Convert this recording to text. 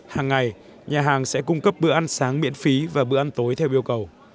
hàng ngày nhà hàng sẽ cung cấp bữa ăn sáng miễn phí và bữa ăn tối theo yêu cầu